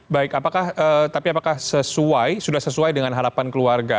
baik apakah tapi apakah sesuai sudah sesuai dengan harapan keluarga